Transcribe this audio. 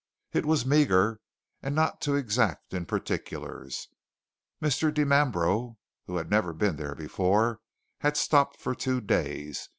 It was meagre, and not too exact in particulars. Mr. Dimambro, who had never been there before, had stopped two days.